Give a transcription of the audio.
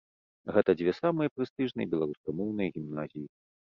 Гэта дзве самыя прэстыжныя беларускамоўныя гімназіі.